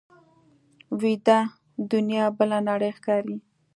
ویده دنیا بله نړۍ ښکاري